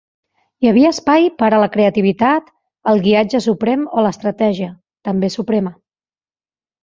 Hi havia espai per a la creativitat, el guiatge suprem o l'estratègia, també suprema.